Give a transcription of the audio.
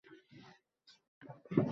Hech yer texnik ishlovsiz qolgani yo‘q.